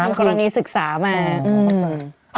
ทำกรณีศึกษามา